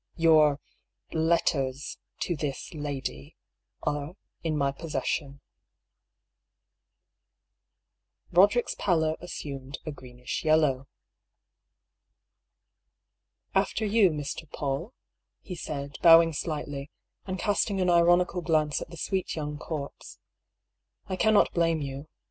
Your — letters — to this — lady — are in my possession." 6 76 DR. PAULL'S THEORY. Roderick's pallor assumed a greenish yellow. "After you, Mr. PauU," he said, bowing slightly, and casting an ironical glance at the sweet young corpse. " I cannot blame you.